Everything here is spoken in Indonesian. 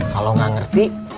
kalau gak ngerti